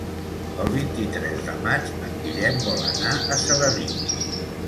El vint-i-tres de maig en Guillem vol anar a Sedaví.